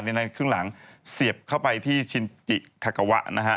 ในนั้นครึ่งหลังเสียบเข้าไปที่ชินจิคากาวะนะฮะ